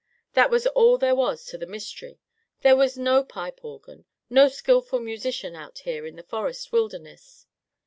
That was all there was to the mystery. There was no pipe organ, no skillful musician out here in the forest wilderness.